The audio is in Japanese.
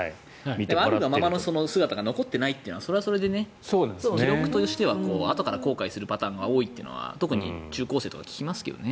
あるがままの姿が残っていないというのはそれはそれで記録としてはあとから後悔するパターンが多いというのは特に中高生とか聞きますけどね。